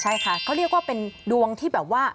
ใช่ค่ะเขาเรียกว่าเป็นดวงที่แบบว่า